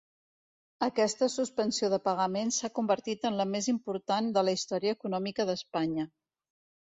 Aquesta suspensió de pagaments s'ha convertit en la més important de la història econòmica d'Espanya.